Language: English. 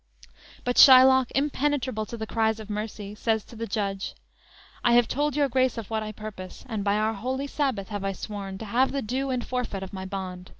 But, Shylock, impenetrable to the cries of mercy, says to the judge: _"I have told your grace of what I purpose; And by our holy Sabbath have I sworn, To have the due and forfeit of my bond.